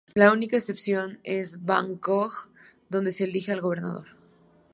La única excepción es Bangkok, donde se elige al gobernador.